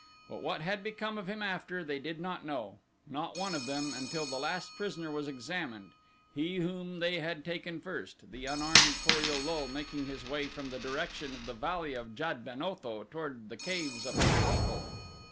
But what had become of him after, they did not know; not one of them, until the last prisoner was examined, he whom they had taken first the unarmed Kor ul lul making his way from the direction of the Valley of Jad ben Otho toward the caves of his people.